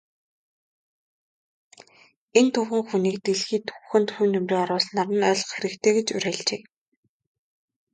Энэ түүхэн хүнийг дэлхийн түүхэнд хувь нэмрээ оруулснаар нь ойлгох хэрэгтэй гэж уриалжээ.